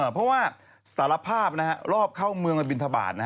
เพราะว่าสารภาพรอบเข้าเมืองมาบินทบาท